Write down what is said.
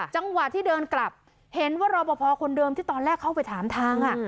จังหวะที่เดินกลับเห็นว่ารอปภคนเดิมที่ตอนแรกเข้าไปถามทาง